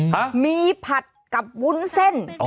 ฮะมีผัดกับวุ้นเส้นอ๋อ